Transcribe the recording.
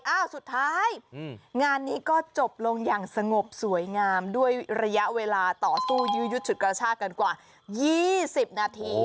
สุดท้ายงานนี้ก็จบลงอย่างสงบสวยงามด้วยระยะเวลาต่อสู้ยื้อยุดฉุดกระชากันกว่า๒๐นาที